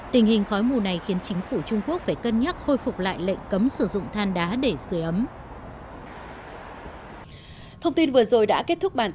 tình hình khói mù này khiến chính phủ trung quốc phải cân nhắc khôi phục lại lệnh cấm sử dụng than đá để sửa ấm